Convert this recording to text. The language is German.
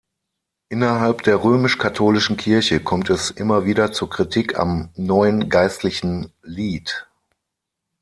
Innerhalb der römisch-katholischen Kirche kommt es immer wieder zur Kritik am Neuen Geistlichen Lied.